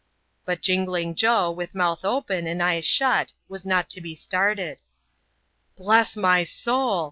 139 But Jingling Joe, with mouth open, and eyes shut, was not to be started. *^ Bless mj soul!"